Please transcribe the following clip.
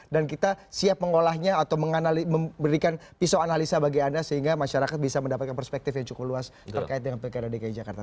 dan kita siap mengolahnya atau memberikan pisau analisa bagi anda sehingga masyarakat bisa mendapatkan perspektif yang cukup luas terkait dengan pkrdki jakarta